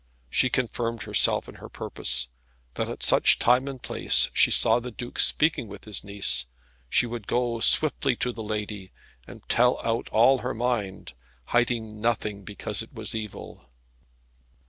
She confirmed herself in her purpose, that at such time and place she saw the Duke speaking with his niece, she would go swiftly to the lady, and tell out all her mind, hiding nothing because it was evil.